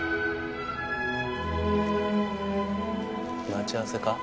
待ち合わせか？